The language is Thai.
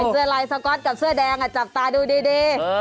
เสื้อลายสก๊อตกับเสื้อแดงจับตาดูดี